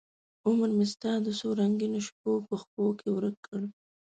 عمرمې ستا د څورنګینوشپو په پښوکې ورک کړ